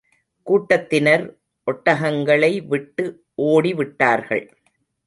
கூட்டத்தினர் ஒட்டகங்களை விட்டு ஓடி விட்டார்கள்.